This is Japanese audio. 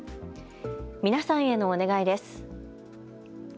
皆さんへのお願いです。